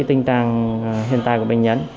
tình trạng hiện tại của bệnh nhân